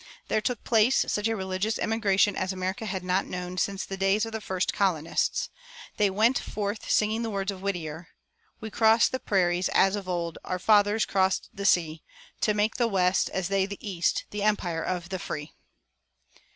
There took place such a religious emigration as America had not known since the days of the first colonists. They went forth singing the words of Whittier: We cross the prairies as of old Our fathers crossed the sea, To make the West, as they the East, The empire of the free.